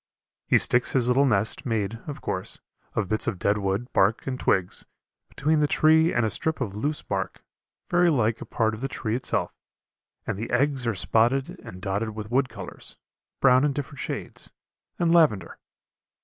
He sticks his little nest, made, of course, of bits of dead wood, bark, and twigs, between the tree and a strip of loose bark, very like a part of the tree itself, and the eggs are spotted and dotted with wood colors, brown in different shades, and lavender.